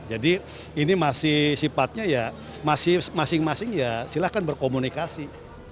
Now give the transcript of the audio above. jadi ini masih sifatnya ya masing masing ya silahkan berkomunikasi